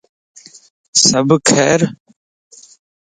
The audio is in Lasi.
سڀ خير؟